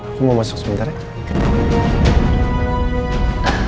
aku mau masuk sebentar ya